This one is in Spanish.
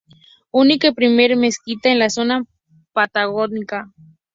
Unica y primer Mezquita en la zona patagónica.